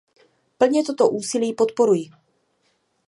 Plně toto úsilí podporuji.